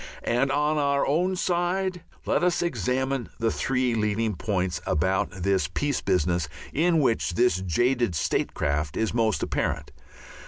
And, on our own side Let us examine the three leading points about this peace business in which this jaded statecraft is most apparent.